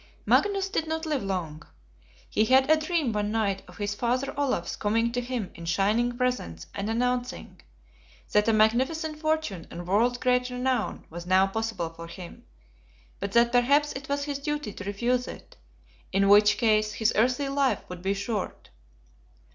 Magnus did not live long. He had a dream one night of his Father Olaf's coming to him in shining presence, and announcing, That a magnificent fortune and world great renown was now possible for him; but that perhaps it was his duty to refuse it; in which case his earthly life would be short.